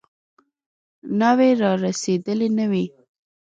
ناوې رارسېدلې نه وي.